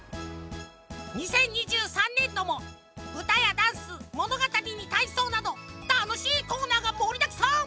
２０２３ねんどもうたやダンスものがたりにたいそうなどたのしいコーナーがもりだくさん！